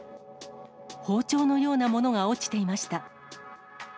包丁のようなものが落ちていました。